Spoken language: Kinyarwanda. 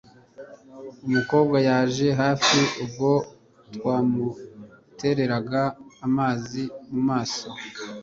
Umukobwa yaje hafi ubwo twamuteraga amazi mumaso